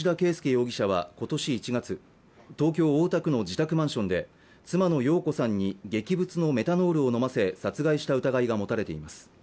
容疑者は今年１月東京大田区の自宅マンションで妻の容子さんに劇物のメタノールを飲ませ殺害した疑いが持たれています